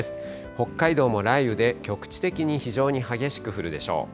北海道も雷雨で局地的に非常に激しく降るでしょう。